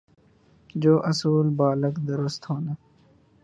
جو اصولا بالکل درست ہونا ۔